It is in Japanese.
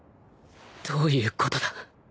どういうことだ？